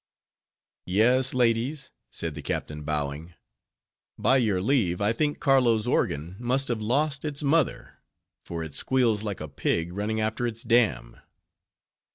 "Yes, ladies," said the captain, bowing, "by your leave, I think Carlo's organ must have lost its mother, for it squeals like a pig running after its dam."